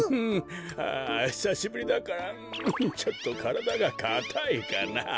あひさしぶりだからんちょっとからだがかたいかな。